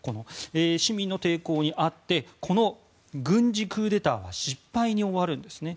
市民の抵抗にあって軍事クーデターは失敗に終わるんですね。